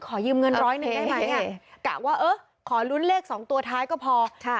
ขอยืมเงินร้อยหนึ่งได้ไหมอ่ะกะว่าเออขอลุ้นเลขสองตัวท้ายก็พอค่ะ